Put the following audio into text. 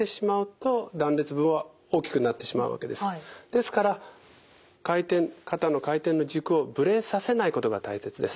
ですから肩の回転の軸をぶれさせないことが大切です。